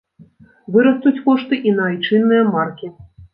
Вырастуць кошты і на айчынныя маркі.